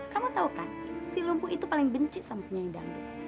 kamu tahu kan si lumpuh itu paling benci sama penyanyi dandut